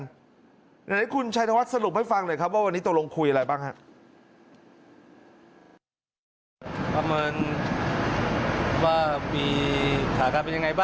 เดี๋ยวคุณชัยธวัฒน์สรุปให้ฟังหน่อยครับว่าวันนี้ตกลงคุยอะไรบ้างครับ